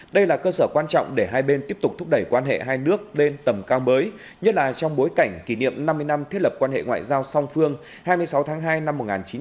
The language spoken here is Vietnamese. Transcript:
đây là cơ sở quan trọng để hai bên tiếp tục thúc đẩy quan hệ hai nước lên tầm cao mới nhất là trong bối cảnh kỷ niệm năm mươi năm thiết lập quan hệ ngoại giao song phương hai mươi sáu tháng hai năm một nghìn chín trăm bảy mươi